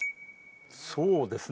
そうですね